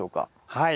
はい。